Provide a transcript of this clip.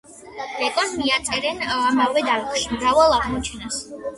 ბეკონს მიაწერენ ამავე დარგში მრავალ აღმოჩენას.